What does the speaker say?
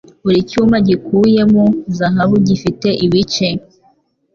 Buri cyuma gikuyemo zahabu gifite ibice